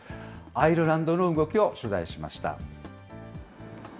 アイルランドの動きを取材しました。